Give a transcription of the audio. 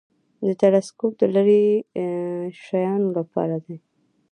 تلسکوپ د لیرې شیانو لپاره دی